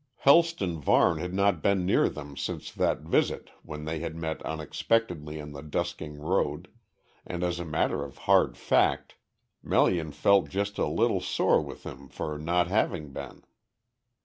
Helston Varne had not been near them since that visit when they had met unexpectedly on the dusking road, and as a matter of hard fact Melian felt just a little sore with him for not having been.